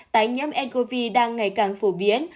tái nhiễm ncov đang ngày càng phổ biến